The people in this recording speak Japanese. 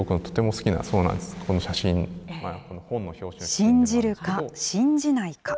信じるか、信じないか。